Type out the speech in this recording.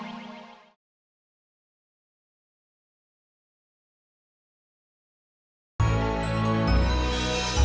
gantung pada kas istriku